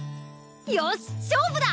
よし勝負だ！